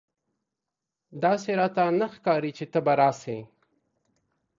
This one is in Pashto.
داسي راته نه ښکاري چې ته به راسې !